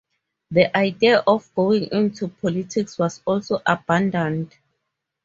The idea of going into politics was also abandoned.